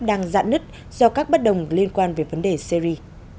đang dạn nứt do các bất đồng liên quan về vấn đề syri